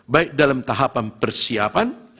baik dalam tahapan persiapan